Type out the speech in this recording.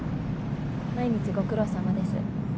毎日ご苦労さまです。